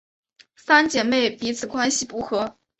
三姐妹彼此关系不和。